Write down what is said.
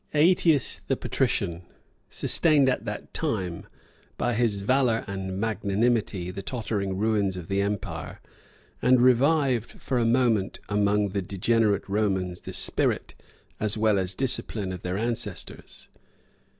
Ætius, the patrician, sustained at that time, by his valor and magnanimity, the tottering ruins of the empire, and revived for a moment among the degenerate Romans the spirit, as well as discipline, of their ancestors.